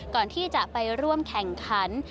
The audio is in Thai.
ก่อนที่จะไปร่วมแข่งขัน